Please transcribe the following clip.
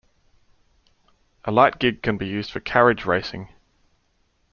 A light gig can be used for carriage racing.